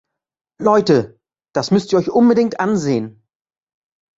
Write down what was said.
Leute, das müsst ihr euch unbedingt ansehen!